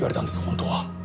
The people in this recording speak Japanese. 本当は。